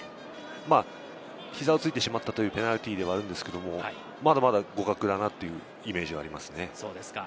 膝をついてしまったというペナルティーではあるんですけれども、まだまだ互角だなというイメージはありますね。